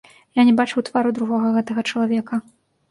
Я не бачыў твару другога гэтага чалавека.